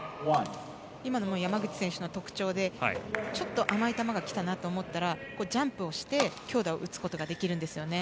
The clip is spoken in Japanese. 今のも山口選手の特徴でちょっと甘い球が来たなと思ったらジャンプをして強打を打つことができるんですよね。